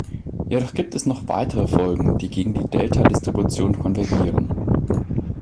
Jedoch gibt es noch weitere Folgen, die gegen die Delta-Distribution konvergieren.